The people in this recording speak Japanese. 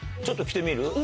ちょっと着てみる？